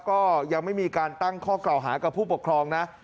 ก็ยังไม่มีการตั้งข้อกล่าวหากับผู้ปกครองนะ